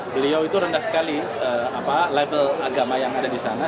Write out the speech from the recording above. beliau itu rendah sekali level agama yang ada di sana